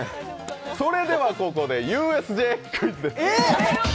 それではここでＵＳＪクイズです。